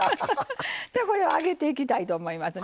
じゃあこれを揚げていきたいと思いますね。